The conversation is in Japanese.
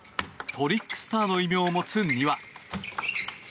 トリックスターの異名を持つ丹羽。